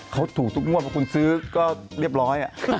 เขาถูกทุกงวดเพราะคุณซื้อก็เรียบร้อย